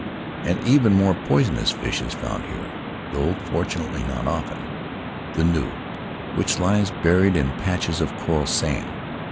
An even more poisonous fish is found here — though fortunately not often: the noo, which lies buried in patches of coral sand.